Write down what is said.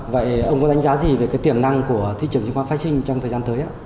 vậy ông có đánh giá gì về tiềm năng của thị trường chứng khoán phai sinh trong thời gian tới